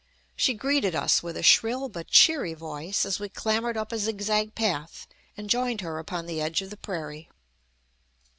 She greeted us with a shrill but cheery voice as we clambered up a zigzag path and joined her upon the edge of the prairie.